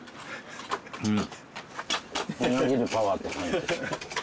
うん。